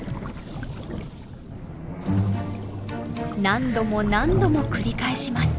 何度も何度も繰り返します。